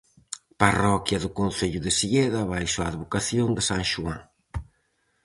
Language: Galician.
Parroquia do concello de Silleda baixo a advocación de san Xoán.